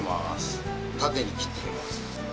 縦に切っていきます。